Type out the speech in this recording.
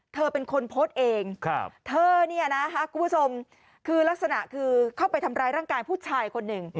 เธอเป็นคนโพสต์เองเธอเนี่ยนะคุณผู้ชมคือลักษณะคือเข้าไปทำร้ายร่างกายผู้ชายคนหนึ่ง